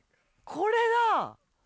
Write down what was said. これだ！